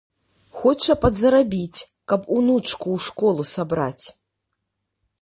Хоча падзарабіць, каб унучку ў школу сабраць.